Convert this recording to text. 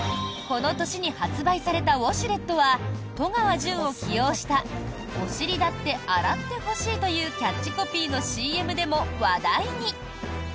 この年に発売されたウォシュレットは戸川純を起用した「おしりだって、洗ってほしい。」というキャッチコピーのＣＭでも話題に。